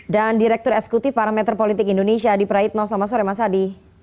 dan direktur eksekutif parameter politik indonesia adi praetno selamat sore mas adi